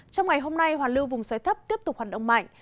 trong ngày hôm nay hoàn lưu vùng xoay thấp tiếp tục hoạt động mạnh